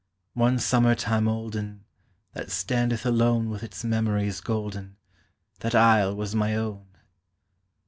One summer time olden, That standeth alone With its memories golden, That isle was my own.